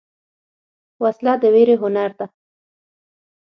وسله د ویرې هنر ده